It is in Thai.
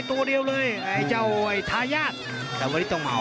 พี่น้องอ่ะพี่น้องอ่ะพี่น้องอ่ะ